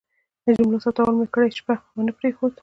د جملو ثبتول مې کرۍ شپه ونه پرېښود.